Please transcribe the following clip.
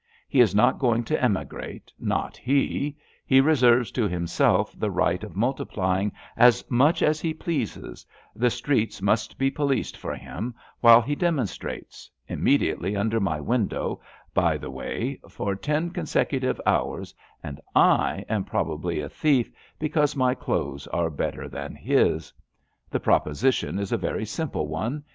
He is not going to emigrate, not he; he reserves to himself the right of multiplying as much as he pleases; the streets must be policed for him while he demon strates, immediately under my window, by the way, for ten consecutive hours, and I am probably a thief because my clothes are better than his. The proposition is a very simple one.